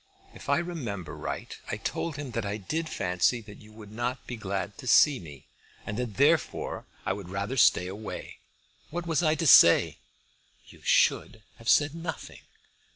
If I remember right, I told him that I did fancy that you would not be glad to see me, and that therefore I would rather stay away. What was I to say?" "You should have said nothing."